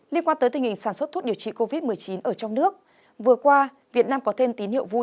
liên quan tới tình hình sản xuất thuốc điều trị covid một mươi chín ở trong nước vừa qua việt nam có thêm tín hiệu vui